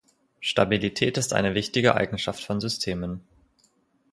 Stabilität ist eine wichtige Eigenschaft von Systemen.